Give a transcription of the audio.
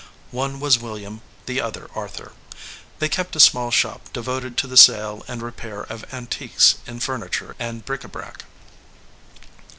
One was William, the other Arthur. They kept a small shop devoted to the sale and repair of antiques in furniture and bric a brac.